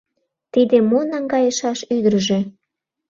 Тиде мо наҥгайышаш ӱдыржӧ?